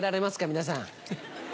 皆さん。